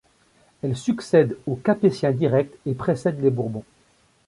Elle succède aux Capétiens directs et précède les Bourbons.